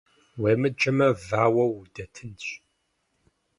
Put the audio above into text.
Уемыджэмэ, вауэу удэтынщ.